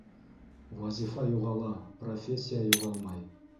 Вазифа юғала, профессия юғалмай.